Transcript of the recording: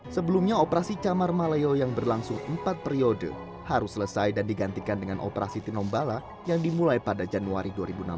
sebelumnya operasi camar maleo yang berlangsung empat periode harus selesai dan digantikan dengan operasi tinombala yang dimulai pada januari dua ribu enam belas